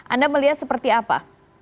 anda melihat seperti apa